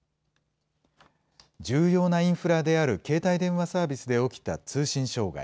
重要なインフラである携帯電話サービスで起きた通信障害。